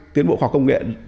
tiến bộ khoa công nghệ